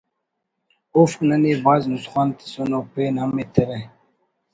اوفک ننے بھاز نسخان تسنو پین ہم ایترہ